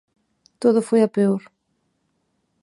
Todo foi a peor.